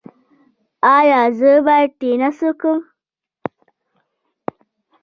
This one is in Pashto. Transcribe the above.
ایا زه باید ټینس وکړم؟